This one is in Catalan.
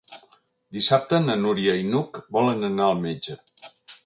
Dissabte na Núria i n'Hug volen anar al metge.